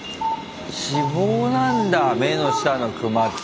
脂肪なんだ目の下のクマって。